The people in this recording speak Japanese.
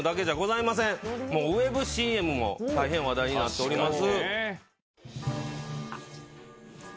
ＷｅｂＣＭも大変話題になっております。